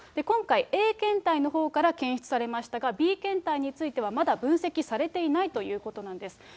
今回、Ａ検体のほうから検出されましたが、Ｂ検体については、まだ分析されていないということなんです。